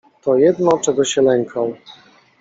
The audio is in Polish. "To jedno, czego się lękał."